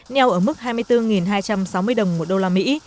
nheo ở mức hai mươi bốn hai trăm sáu mươi đồng một đô la mỹ